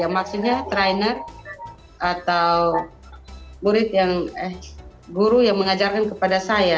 maksudnya trainer atau guru yang mengajarkan kepada saya